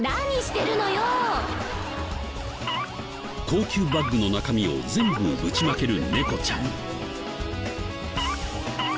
高級バッグの中身を全部ぶちまける猫ちゃん。